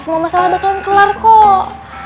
semua masalah bakal kelar kok